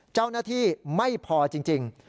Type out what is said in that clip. เจ้าหน้าที่ไม่พอจริง